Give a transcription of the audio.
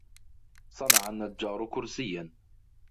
صَنْعَ النَّجَّارُ كُرْسِيًّا.